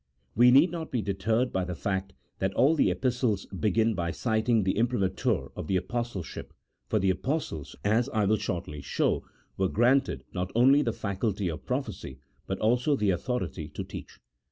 We need not be deterred by the fact that all the Epistles begin by citing the imprimatur of the Apostleship, for the Apostles, as I will shortly show, were granted, not only the faculty of prophecy, but also the authority to teach.